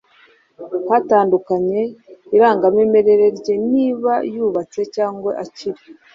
hatandukanye, irangamimerere rye (niba yubatse cyangwa akiri